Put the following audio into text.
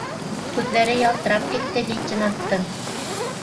Күҙҙәре ялтырап китте лейтенанттың.